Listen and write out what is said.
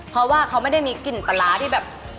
เพราะว่าเขาไม่ได้มีกลิ่นปลาร้าที่แบบ